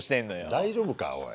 大丈夫かおい。